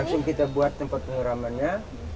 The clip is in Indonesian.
langsung kita buat tempat pengeramannya